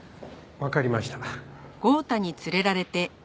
わかりました。